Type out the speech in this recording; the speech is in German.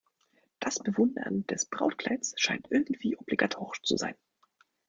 Das Bewundern des Brautkleids scheint irgendwie obligatorisch zu sein.